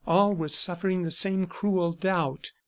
All were suffering the same cruel doubt.